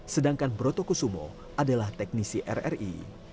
sedangkan broto kusumo adalah teknisi rri